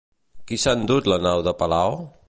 Qui s'ha endut la nau de Palao?